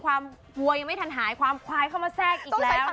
วัวยังไม่ทันหายความควายเข้ามาแทรกอีกแล้ว